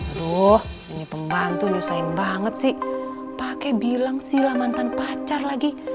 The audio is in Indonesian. aduh ini pembantu nyusain banget sih pakai bilang sila mantan pacar lagi